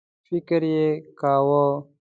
فکر یې کاوه.